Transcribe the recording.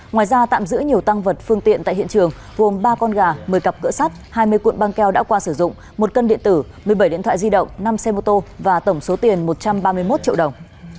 ngoài ra tạm giữ nhiều tăng vật phương tiện tại hiện trường gồm ba con gà một mươi cặp cỡ sắt hai mươi cuộn băng keo đã qua sử dụng một cân điện tử một mươi bảy điện thoại di động năm xe mô tô và tổng số tiền một trăm ba mươi một triệu đồng